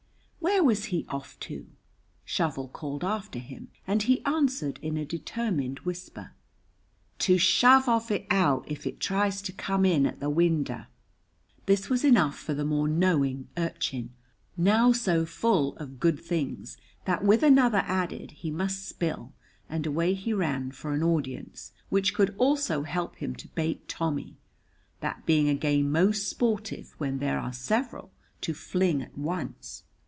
Where was he off to? Shovel called after him; and he answered, in a determined whisper: "To shove of it out if it tries to come in at the winder." This was enough for the more knowing urchin, now so full of good things that with another added he must spill, and away he ran for an audience, which could also help him to bait Tommy, that being a game most sportive when there are several to fling at once.